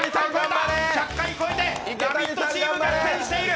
１００回超えて、「ラヴィット！」チーム逆転している。